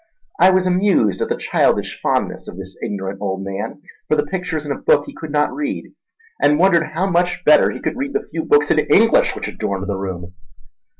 I was amused at the childish fondness of this ignorant old man for the pictures in a book he could not read, and wondered how much better he could read the few books in English which adorned the room.